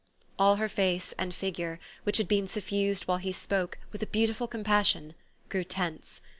" All her face and figure, which had been suffused while he spoke, with a beautiful compassion, grew tense.